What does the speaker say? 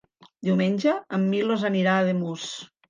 Diumenge en Milos anirà a Ademús.